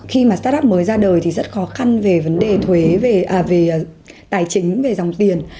khi mà start up mới ra đời thì rất khó khăn về vấn đề tài chính về dòng tiền